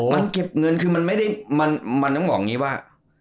มันเก็บเงินคือมันไม่ได้มันต้องบอกอย่างนี้ว่า